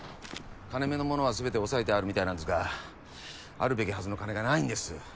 金めのものはすべて押さえてあるみたいなんですがあるべきはずの金がないんです。